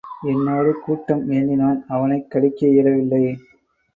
என்னோடு கூட்டம் வேண்டினான் அவனைக் கழிக்க இயலவில்லை.